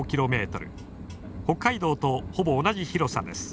北海道とほぼ同じ広さです。